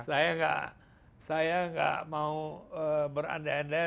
saya tidak mau beranda anda